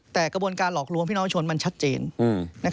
แต่กระบวนการหลอกลวงพี่น้องชนมันชัดเจน